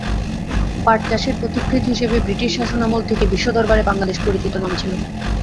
পাট চাষের পথিকৃৎ হিসেবে ব্রিটিশ শাসনামল থেকে বিশ্বদরবারে বাংলাদেশ পরিচিত নাম ছিল।